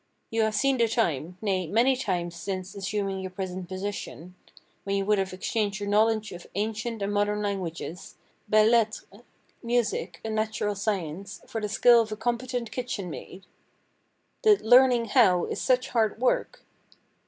You have seen the time—nay, many times since assuming your present position—when you would have exchanged your knowledge of ancient and modern languages, belles lettres, music, and natural science, for the skill of a competent kitchen maid. The "learning how" is such hard work!